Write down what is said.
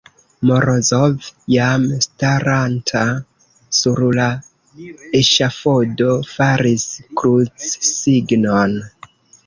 Morozov, jam staranta sur la eŝafodo, faris krucsignon.